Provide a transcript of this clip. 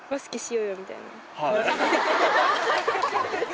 ハハハハ！